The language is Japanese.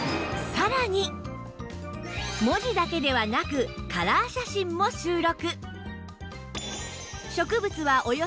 文字だけではなくカラー写真も収録